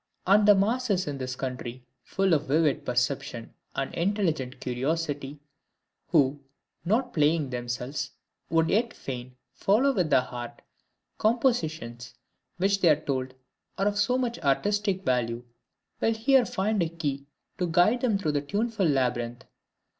And the masses in this country, full of vivid perception and intelligent curiosity, who, not playing themselves, would yet fain follow with the heart compositions which they are told are of so much artistic value, will here find a key to guide them through the tuneful labyrinth.